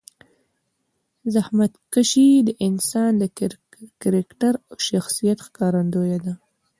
زحمتکشي د انسان د کرکټر او شخصیت ښکارندویه ده.